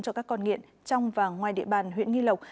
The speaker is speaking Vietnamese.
cho các con nghiện trong và ngoài địa bàn huyện nghi lộc